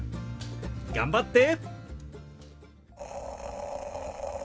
頑張って！